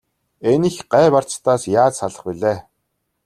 Энэ их гай барцдаас яаж салах билээ?